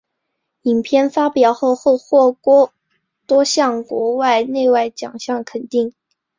影片发表后获多项国内外奖项肯定。